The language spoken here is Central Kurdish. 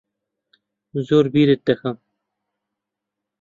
زۆر بیرت دەکەم.